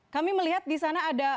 kami melihat di sana ada